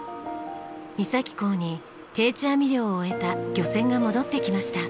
三崎港に定置網漁を終えた漁船が戻ってきました。